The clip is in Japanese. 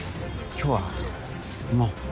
今日はもう。